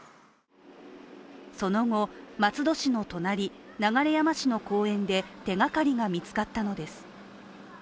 その後、松戸市の隣流山市の公園で手がかりが見つかったのです。